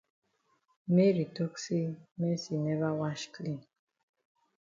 Mary tok say Mercy never wash clean.